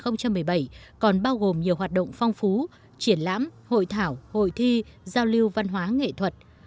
năm hai nghìn một mươi bảy còn bao gồm nhiều hoạt động phong phú triển lãm hội thảo hội thi giao lưu văn hóa nghệ thuật